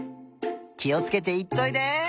きをつけていっといで！